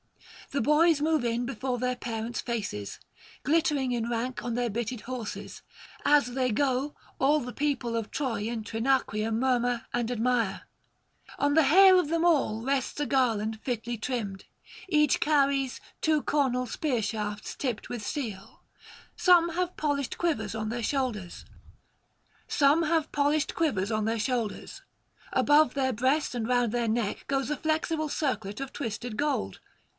The boys move in before their parents' faces, glittering in rank on their [554 590]bitted horses; as they go all the people of Troy and Trinacria murmur and admire. On the hair of them all rests a garland fitly trimmed; each carries two cornel spear shafts tipped with steel; some have polished quivers on their shoulders; above their breast and round their neck goes a flexible circlet of twisted gold.